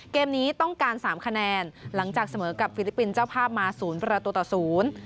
เกมนี้ต้องการ๓คะแนนหลังจากเสมอกับฟิลิปปินส์เจ้าภาพมา๐ประตูต่อ๐